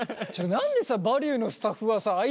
何でさ「バリュー」のスタッフはさあ